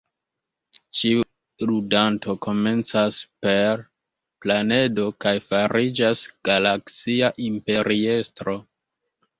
Ĉiu ludanto komencas "per planedo" kaj fariĝas galaksia imperiestro.